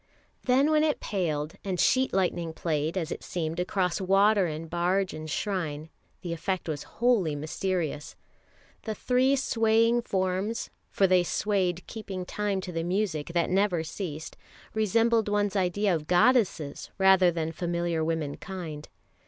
Then when it paled, and sheet lightning played, as it seemed, across water and barge and shrine, the effect was wholly mysterious. The three swaying forms for they swayed keeping time to the music that never ceased resembled one's idea of goddesses rather than familiar womenkind.